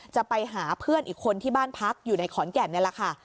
จะไปหาเพื่อนอีกคนที่บ้านพักอยู่ในขอนแก่นนี่แหละค่ะ